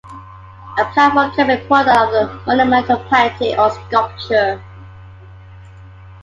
A plafond can be a product of monumental painting or sculpture.